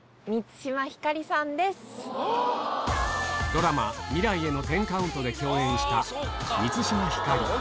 ドラマ『未来への１０カウント』で共演した満島ひかり